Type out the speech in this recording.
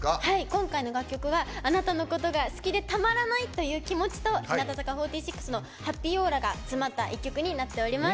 今回の楽曲はあなたのことが好きでたまらないという気持ちと日向坂４６のハッピーオーラが詰まった一曲になっております。